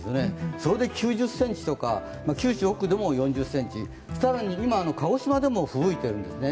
それで９０ｃｍとか、九州北部でも４０ｃｍ更に今、鹿児島でもふぶいているんですね。